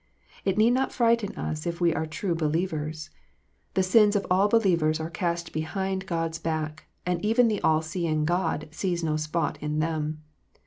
It need not frighten us if we are true believers. The sins of all believers are cast behind God s back, and even the all seeing God sees no spot in them.